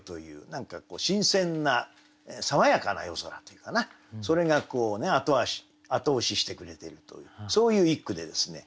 何か新鮮な爽やかな夜空っていうかなそれが後押ししてくれているというそういう一句でですね。